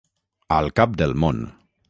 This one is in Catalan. Al cap del món.